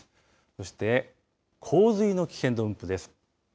そして、洪水の危険度分布です。